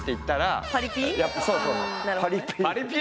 パリピ。